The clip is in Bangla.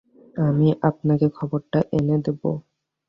আমি আপনাকে খবরটা এনে দেব।